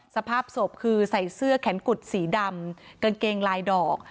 สภาพศพคือใส่เสื้อแขนกุดสีดำกางเกงลายดอก